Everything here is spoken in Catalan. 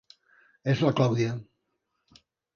És la Clàudia.